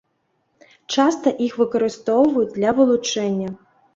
Часта іх выкарыстоўваюць для вылучэння.